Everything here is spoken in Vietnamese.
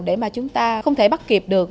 để mà chúng ta không thể bắt kịp được